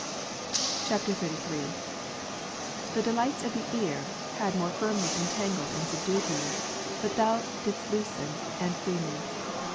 [XXXIII.] 49. The delights of the ear, had more firmly entangled and subdued me; but Thou didst loosen, and free me.